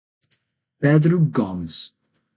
Pedro Gomes